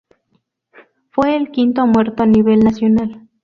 Fue el quinto muerto a nivel nacional.